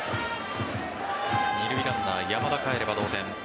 二塁ランナー・山田かえれば同点。